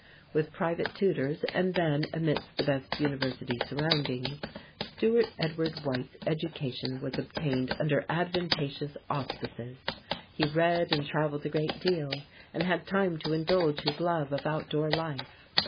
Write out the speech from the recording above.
With private tutors, and then amidst the best university surroundings, Stewart Edward White's education was obtained under advantageous auspices. He read and traveled a great deal, and had time to indulge his love of outdoor life.